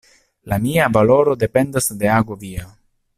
La mia valoro dependas de ago via.